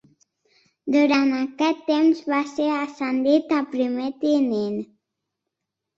Durant aquest temps va ser ascendit a primer tinent.